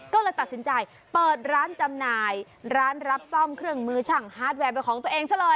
ก็เลยตัดสินใจเปิดร้านจำหน่ายร้านรับซ่อมเครื่องมือช่างฮาร์ดแวร์เป็นของตัวเองซะเลย